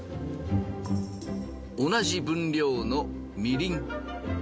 同じ分量のみりん。